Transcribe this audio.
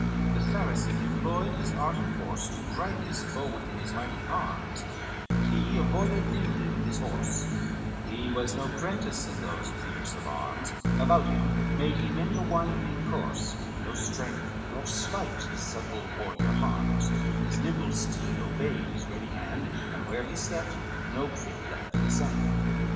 LXXXIX The Saracen employed his art and force To grip his foe within his mighty arms, But he avoided nimbly with his horse, He was no prentice in those fierce alarms, About him made he many a winding course, No strength, nor sleight the subtle warrior harms, His nimble steed obeyed his ready hand, And where he stept no print left in the sand.